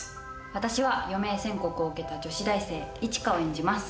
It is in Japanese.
私は余命宣告を受けた女子大生・一花を演じます。